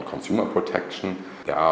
công nghiệp phòng chống dịch việt nam